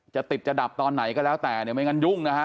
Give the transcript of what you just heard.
จะติดจะดับตอนไหนก็แล้วแต่เนี่ยไม่งั้นยุ่งนะฮะ